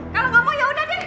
kalo gak mau yaudah deh